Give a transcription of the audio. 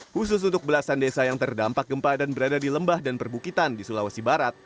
khusus untuk belasan desa yang terdampak gempa dan berada di lembah dan perbukitan di sulawesi barat